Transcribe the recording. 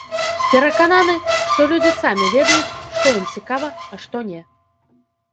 Перакананы, што людзі самі ведаюць, што ім цікава, а што не.